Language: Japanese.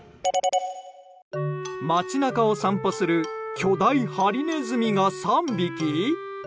街中を散歩する巨大ハリネズミが、３匹？